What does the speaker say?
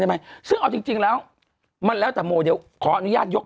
ได้ไหมซึ่งเอาจริงแล้วมันแล้วแต่โมเดลขออนุญาตยก